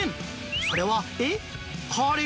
それは、え？